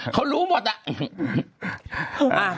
เขารู้หมดอะ